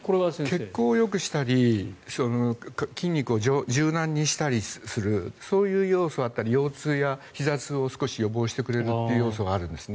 血行をよくしたり筋肉を柔軟にしたりするそういう要素や、腰痛やひざ痛を予防してくれる要素があるんです。